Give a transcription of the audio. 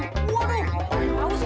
berhenti sana udah